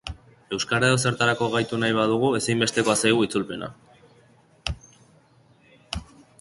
Euskara edozertarako gaitu nahi badugu, ezinbestekoa zaigu itzulpena.